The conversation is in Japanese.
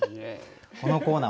このコーナー